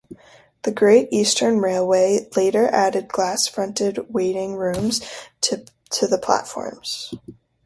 The Great Eastern Railway later added glass-fronted waiting rooms to the platforms.